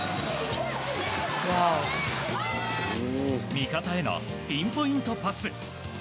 味方へのピンポイントパス。